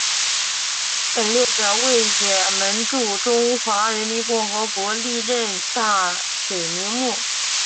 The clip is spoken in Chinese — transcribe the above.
本列表为也门驻中华人民共和国历任大使名录。